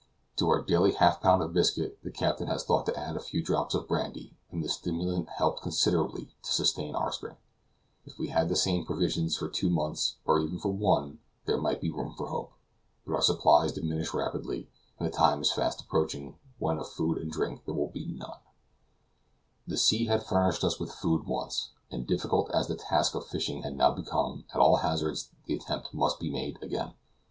To our daily half pound of biscuit the captain has thought to add a few drops of brandy, and the stimulant helps considerably to sustain our strength. If we had the same provisions for two months, or even for one, there might be room for hope; but our supplies diminish rapidly, and the time is fast approaching when of food and drink there will be none. The sea had furnished us with food once, and, difficult as the task of fishing had now become, at all hazards the attempt must be made again.